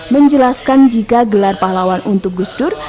menjelaskan jika gelar pahlawan untuk gusdur